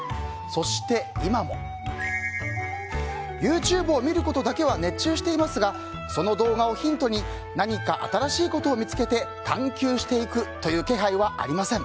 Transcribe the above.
そして、今もＹｏｕＴｕｂｅを見ることだけは熱中していますがその動画をヒントに何か新しいことを見つけて探求していくという気配はありません。